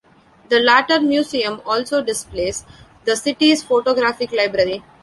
The latter museum also displays the city's photographic library.